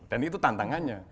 dan itu tantangannya